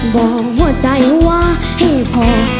บอกหัวใจว่าให้พอ